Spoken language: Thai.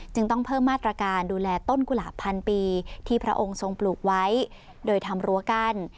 จึงต้องเพิ่มมาตรการดูแลต้นกุหลาบพันปีที่พระองค์ทรงปลูกไว้โดยทำรั้วกั้น